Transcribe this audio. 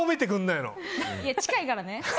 いや、近いからね。